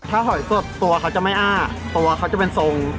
ถ้าหอยสดตัวเขาจะไม่อ้าตัวเขาจะเป็นทรง